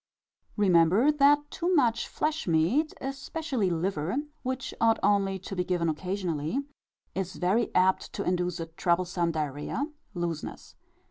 Remember that too much flesh meat, especially liver, which ought only to be given occasionally, is very apt to induce a troublesome diarrhœa (looseness).